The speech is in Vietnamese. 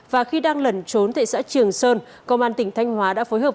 và khi đang lẩn trốn tại xã trường sơn công an tỉnh thanh hóa đã phối hợp